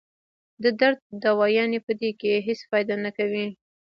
د درد دوايانې پۀ دې کښې هېڅ فائده نۀ کوي